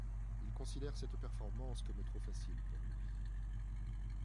Il considère cette performance comme trop facile pour lui.